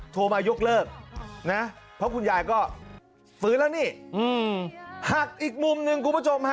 โทรมายกเลิกนะเพราะคุณยายก็ฟื้นแล้วนี่หักอีกมุมหนึ่งคุณผู้ชมฮะ